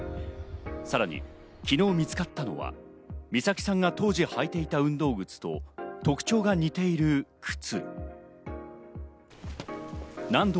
さらに昨日見つかったのは美咲さんが当時履いていた運動靴と特徴が似ている靴。